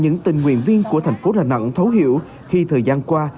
những tình nguyện viên của thành phố đà nẵng thấu hiểu khi thời gian qua